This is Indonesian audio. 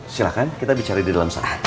silahkan kita bicara di dalam saat